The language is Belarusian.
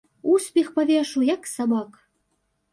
Усіх павешу, як сабак!